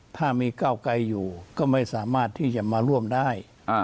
ถ้ามีก้าวไกลอยู่ก็ไม่สามารถที่จะมาร่วมได้